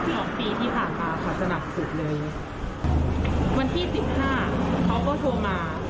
สองปีที่ผ่านมาค่ะสนับสุดเลยวันที่สิบห้าเขาก็โทรมา